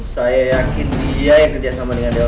saya yakin dia yang ketia sama dengan dewa